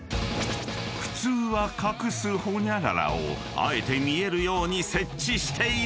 ［普通は隠すホニャララをあえて見えるように設置している］